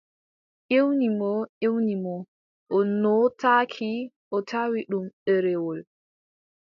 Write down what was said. Ƴewni mo ƴewni mo, o nootaaki, o tawi ɗum ɗereewol.